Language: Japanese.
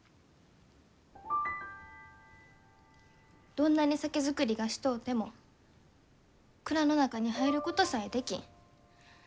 どんなに酒造りがしとうても蔵の中に入ることさえできん。